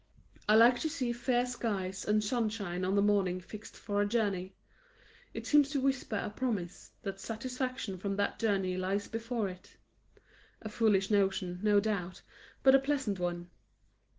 I like to see fair skies and sunshine on the morning fixed for a journey. It seems to whisper a promise that satisfaction from that journey lies before it: a foolish notion, no doubt, but a pleasant one.